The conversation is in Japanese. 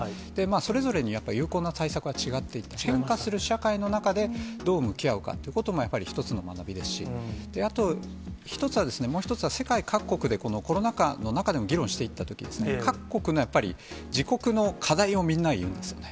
それぞれに有効な対策は違っていて、変化する社会の中で、どう向き合うかということも、１つの学びですし、あと、１つはですね、もう１つは世界各国でこのコロナ禍の中でも議論していったときに、各国のやっぱり自国の課題をみんな言うんですね。